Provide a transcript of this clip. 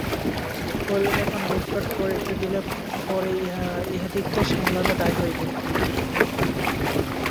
কহিলেন, এখন লুঠপাট করিতে দিলে পরে ইহাদিগকে সামলানো দায় হইবে।